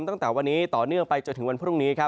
ตั้งแต่วันนี้ต่อเนื่องไปจนถึงวันพรุ่งนี้